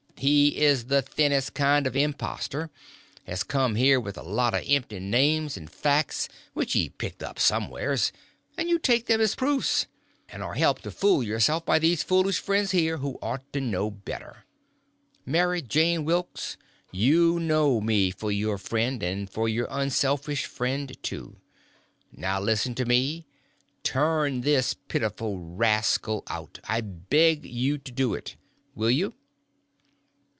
He is the thinnest kind of an impostor—has come here with a lot of empty names and facts which he picked up somewheres, and you take them for proofs, and are helped to fool yourselves by these foolish friends here, who ought to know better. Mary Jane Wilks, you know me for your friend, and for your unselfish friend, too. Now listen to me; turn this pitiful rascal out—I beg you to do it. Will you?"